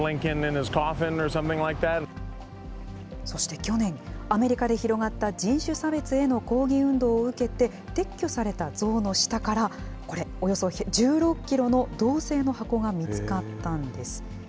そして去年、アメリカで広がった人種差別への抗議行動を受けて、撤去された像の下から、これ、およそ１６キロの銅製の箱が見つかったんです。